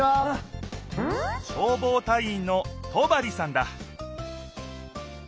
消防隊員の戸張さんだ